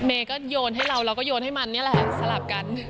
เมย์ก็โยนให้เราเราก็โยนให้มันนี่แหละสลับกัน